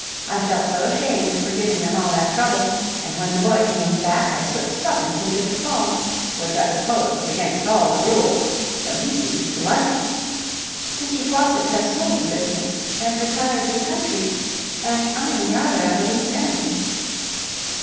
I felt so ashamed for giving them all that trouble; and when the boy came back I slipped twopence into his palm, which I suppose was against all the rules, though he seemed to like it. Mr. Faucitt has sold the business and retired to the country, and I am rather at a loose end...